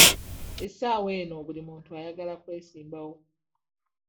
Essaawa eno buli muntu ayagala kwesimbawo.